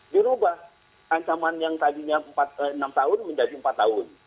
dirubah ancaman yang tadinya enam tahun menjadi empat tahun